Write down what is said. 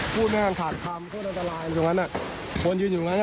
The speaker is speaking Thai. พูดไม่ทันขาดคำพูดอันตรายอยู่ตรงนั้นน่ะ